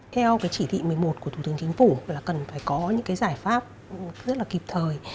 theo cái chỉ thị một mươi một của thủ tướng chính phủ là cần phải có những cái giải pháp rất là kịp thời